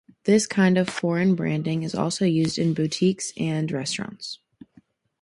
This kind of foreign branding is also used in boutiques and restaurants.